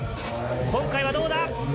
今回はどうだ？